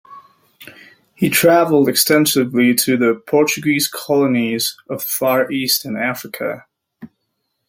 He travelled extensively to the Portuguese colonies of the Far East and Africa.